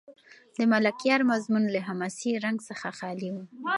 د ملکیار مضمون له حماسي رنګ څخه خالي و.